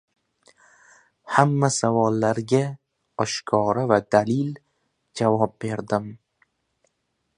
Hamma savollarga oshkora va dadil javob berdim.